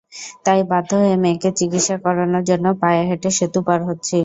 তাই বাধ্য হয়ে মেয়েকে চিকিৎসা করানোর জন্য পায়ে হেঁটে সেতু পার হচ্ছি।